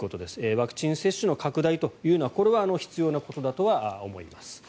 ワクチン接種の拡大というのはこれは必要なことだとは思います。